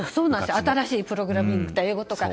新しいプログラミングとか英語。